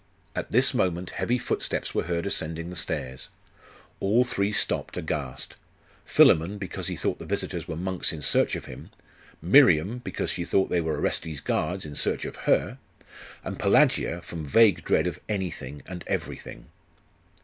At this moment heavy footsteps were heard ascending the stairs.... All three stopped aghast: Philammon, because he thought the visitors were monks in search of him; Miriam, because she thought they were Orestes's guards in search of her; and Pelagia, from vague dread of anything and everything....